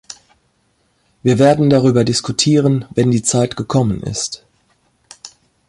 Wir werden darüber diskutieren, wenn die Zeit gekommen ist.